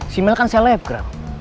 si mel kan selebgram